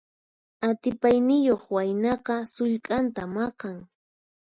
Atipayniyuq waynaqa sullk'anta maqan.